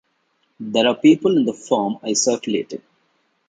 There are people in the form I circulated.